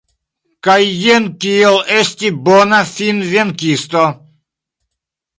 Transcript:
Kaj jen kiel esti bona finvenkisto.